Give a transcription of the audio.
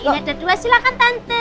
ini ada dua silahkan tante